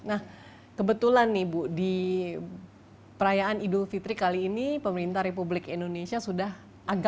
nah kebetulan nih bu di perayaan idul fitri kali ini pemerintah republik indonesia sudah agak